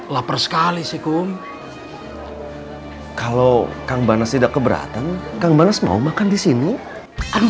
lapar sekali sih kalau kang banas tidak keberatan kang banas mau makan di sini